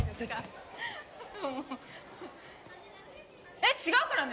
えっ違うからね！